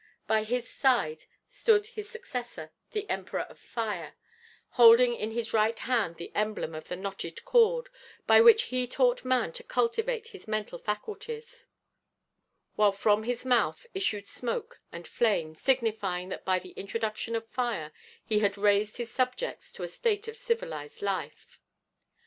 By his side stood his successor, the Emperor of Fire, holding in his right hand the emblem of the knotted cord, by which he taught man to cultivate his mental faculties, while from his mouth issued smoke and flame, signifying that by the introduction of fire he had raised his subjects to a state of civilized life.